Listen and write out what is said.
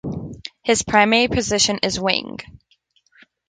His primary position is wing.